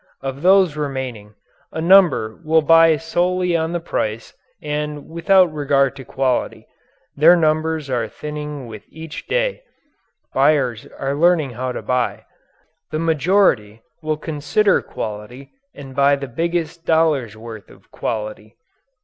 Of those remaining, a number will buy solely on price and without regard to quality. Their numbers are thinning with each day. Buyers are learning how to buy. The majority will consider quality and buy the biggest dollar's worth of quality.